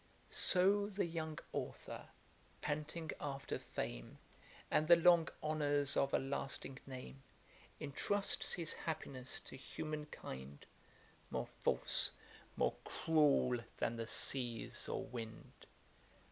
So the young Authour, panting after fame, And the long honours of a lasting name, Entrusts his happiness to human kind, More false, more cruel, than the seas or wind.